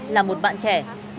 là một bạn trẻ